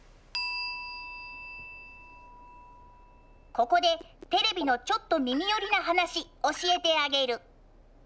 ここでテレビのちょっと耳よりな話教えてあげる。